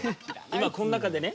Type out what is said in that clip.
今この中でね